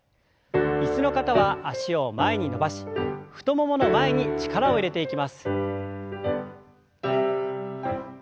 椅子の方は脚を前に伸ばし太ももの前に力を入れていきます。